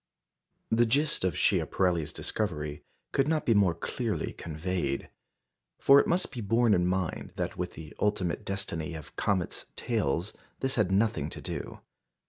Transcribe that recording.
" The gist of Schiaparelli's discovery could not be more clearly conveyed. For it must be borne in mind that with the ultimate destiny of comets' tails this had nothing to do.